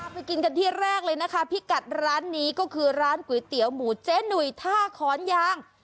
ไปกินกันที่แรกเลยนะคะพิกัดร้านนี้ก็คือร้านก๋วยเตี๋ยวหมูเจ๊หนุ่ยท่าขอนยาง